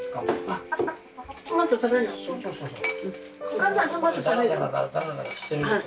あっトマト食べる。